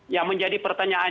yang menjadi pertanyaan